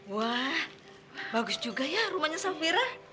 wah bagus juga ya rumahnya safira